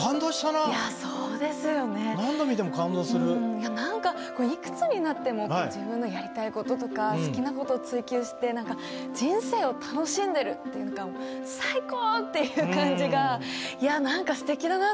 いや何かいくつになっても自分のやりたいこととか好きなこと追求して何か人生を楽しんでるっていうか「最高！」っていう感じがいや何かすてきだなと思いました。